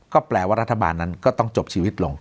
ก็แปลว่ารัฐบาลนั้นก็ต้องจบชีวิตลง